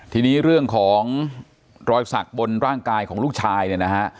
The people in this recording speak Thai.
ทีนี้เรื่องของรอยสักบนร่างกายของลูกชายเนี่ยนะฮะ